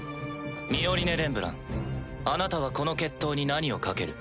ミオリネ・レンブランあなたはこの決闘に何を賭ける？